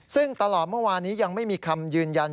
ซึ่งตลอดเมื่อวานนี้ยังไม่มีคำยืนยัน